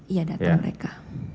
iya datang mereka